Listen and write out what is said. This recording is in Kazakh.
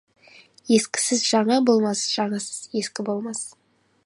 Ескісіз жаңа болмас, жаңасыз ескі болмас.